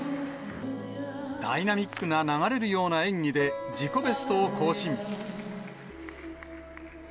ダイナミックな流れるような演技で、自己ベストを更新。